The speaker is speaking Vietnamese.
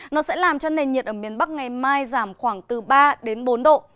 nó sẽ làm cho nền nhiệt ở miền bắc ngày mai giảm khoảng từ ba đến bốn độ